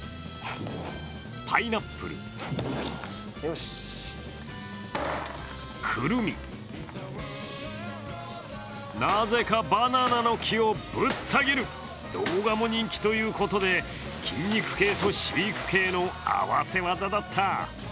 パイナップル、クルミ、なぜかバナナの木をぶった切る動画も人気ということで、筋肉系と飼育系の合わせ技だった。